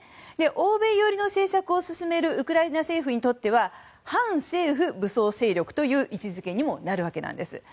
欧米寄りの政策を進めるウクライナ政府にとっては反政府武装勢力という位置づけにもなります。